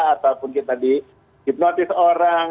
ataupun kita dihipnotis orang